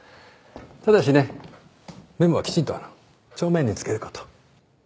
ただしねメモはきちんと帳面につける事。